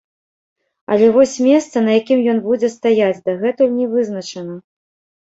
Але вось месца, на якім ён будзе стаяць, дагэтуль не вызначана.